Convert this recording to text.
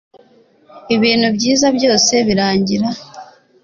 ibintu byiza byose birangira.